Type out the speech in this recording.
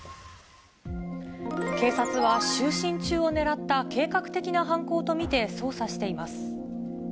警察は、就寝中を狙った計画的な犯行と見て捜査しています。